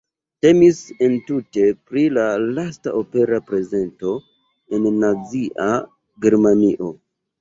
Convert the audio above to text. Temis entute pri la lasta opera prezento en Nazia Germanio.